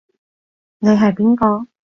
你係邊個？